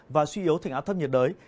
và suy yếu thành áo thấp nhiệt đới